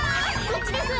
こっちです。